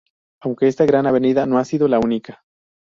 Aunque esta gran avenida no ha sido la única.